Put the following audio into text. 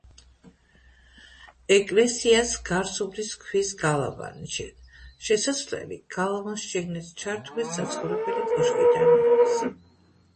ეკლესიას გარს უვლის ქვის გალავანი, შესასვლელი გალავანს შიგნით ჩართული საცხოვრებელი კოშკიდან აქვს.